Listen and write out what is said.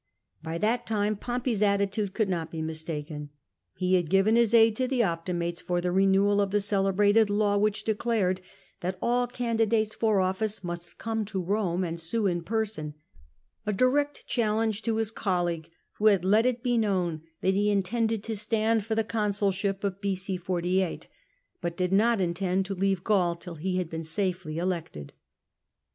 By that time Pompey's attitude could not be mistaken : he had given his aid to the Optimates for the renewal of the celebrated law which declared that all candidates for office must come to Kome and sue in person — a direct challenge to his colleague, who had let it be known that ho intended to stand for the consulship of B.a 48, but did not intend to leave Gaul till he had been safely elected.